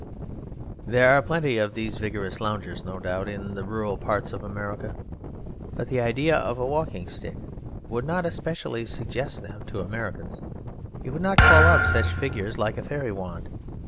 There are plenty of these vigorous loungers, no doubt, in the rural parts of America, but the idea of a walking stick would not especially suggest them to Americans; it would not call up such figures like a fairy wand.